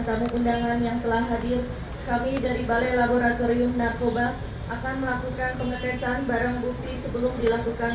selanjutnya kami mohon perkenankan